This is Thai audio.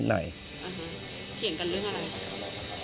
อ่าฮะเขียงกันเรื่องอะไร